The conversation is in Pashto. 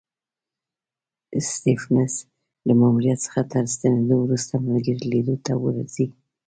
سټېفنس له ماموریت څخه تر ستنېدو وروسته ملګري لیدو ته ورځي.